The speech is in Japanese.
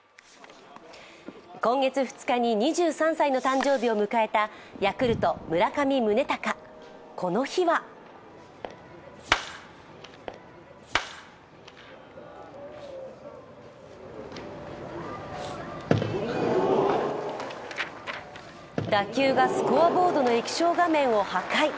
今月２日に２３歳の誕生日を迎えたヤクルト・村上宗隆、この日は打球がスコアボードの液晶画面を破壊。